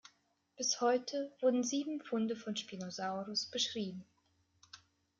Bis heute wurden sieben Funde von "Spinosaurus" beschrieben.